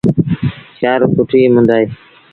سيٚآرو سُٺيٚ مند اهي